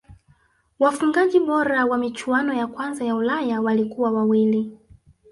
wafungaji bora wa michuano ya kwanza ya ulaya walikuwa wawili